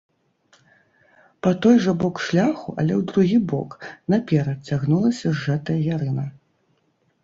Па той жа бок шляху, але ў другі бок, наперад, цягнулася зжатая ярына.